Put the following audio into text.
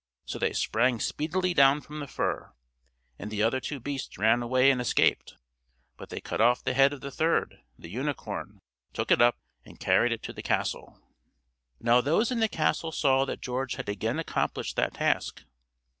So they sprang speedily down from the fir, and the other two beasts ran away and escaped, but they cut off the head of the third, the unicorn, took it up, and carried it to the castle. Now those in the castle saw that George had again accomplished that task.